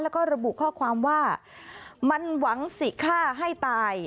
แล้วก็ระบุข้อความว่ามันหวังสิฆ่าให้ตาย